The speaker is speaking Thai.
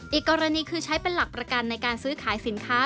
อีกกรณีคือใช้เป็นหลักประกันในการซื้อขายสินค้า